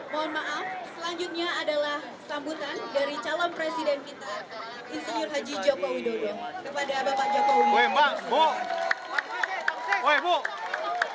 mohon maaf selanjutnya adalah sambutan dari calon presiden kita insinyur haji joko widodo